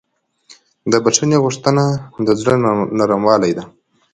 د بښنې غوښتنه د زړه نرموالی ده.